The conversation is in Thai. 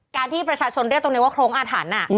ที่ประชาชนเรียกตรงนี้ว่าโครงอาถรรพ์